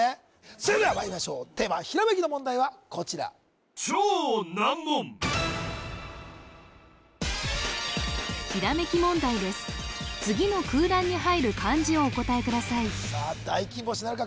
それではまいりましょうテーマひらめきの問題はこちら次の空欄に入る漢字をお答えくださいさあ大金星なるか？